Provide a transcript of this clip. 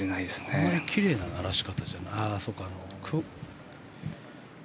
あまりきれいなならし方じゃないね。